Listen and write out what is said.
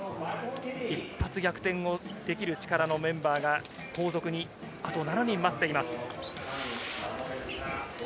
一発逆転をできる力のメンバーが後続にあと７人待っています。